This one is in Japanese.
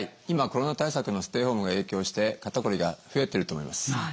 今コロナ対策のステイホームが影響して肩こりが増えていると思います。